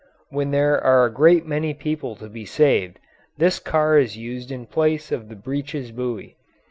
When there are a great many people to be saved, this car is used in place of the breeches buoy.